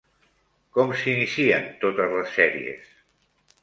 Com s'inicien totes les sèries?